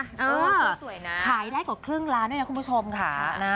คุณผู้ชมค้ายได้กับครึ่งล้านด้วยนะคุณผู้ชมค่ะ